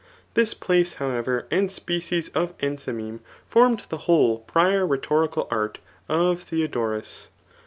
] This place, howev^, and species of en* thymeme, formed the whole prior rhetorical art of Theo dorus.